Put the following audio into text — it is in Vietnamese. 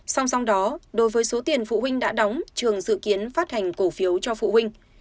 song song đó đối với số tiền phụ huynh đã đóng trường dự kiến phát hành cổ phiếu cho phụ huynh